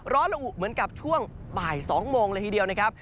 ละอุเหมือนกับช่วงบ่าย๒โมงเลยทีเดียวนะครับ